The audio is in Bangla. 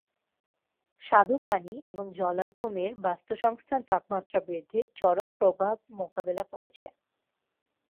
স্বাদু পানি এবং জলাভূমির বাস্তুসংস্থান তাপমাত্রা বৃদ্ধির চরম প্রভাব মোকাবেলা করছে।